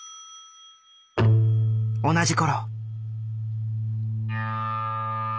同じ頃。